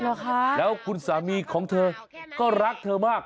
เหรอคะแล้วคุณสามีของเธอก็รักเธอมาก